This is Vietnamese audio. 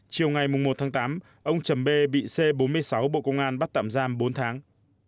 chiều ngày một tháng tám ông trầm bê bị c bốn mươi sáu bộ công an bắt tạm giam bốn tháng